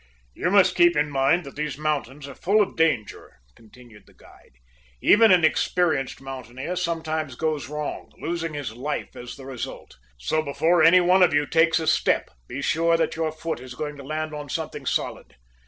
"You must keep in mind that these mountains are full of danger," continued the guide. "Even an experienced mountaineer sometimes goes wrong, losing his life as the result. So, before any one of you takes a step, be sure that your foot is going to land on something solid.